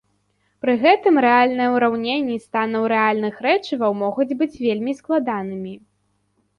Пры гэтым рэальныя ўраўненні станаў рэальных рэчываў могуць быць вельмі складанымі.